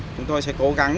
chúng tôi sẽ cố gắng